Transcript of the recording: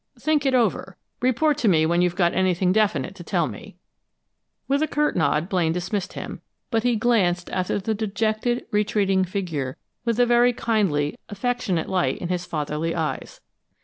Think it over. Report to me when you've got anything definite to tell me." With a curt nod Blaine dismissed him, but he glanced after the dejected, retreating figure with a very kindly, affectionate light in his fatherly eyes.